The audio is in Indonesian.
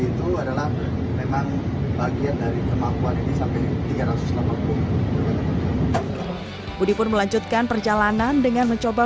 itu adalah memang bagian dari kemampuan ini sampai tiga ratus delapan puluh budi pun melanjutkan perjalanan dengan mencoba